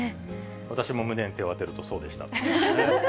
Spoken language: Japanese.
私も胸に手を当てるとそうでした。